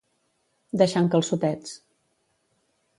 Deixar en calçotets.